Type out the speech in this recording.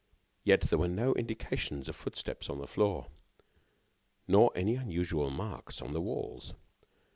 Yet, there were no indications of footsteps on the floor, nor any unusual marks upon the walls.